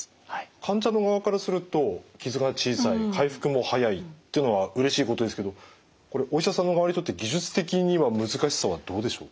患者の側からすると傷が小さい回復も早いっていうのはうれしいことですけどこれお医者さん側にとって技術的には難しさはどうでしょう？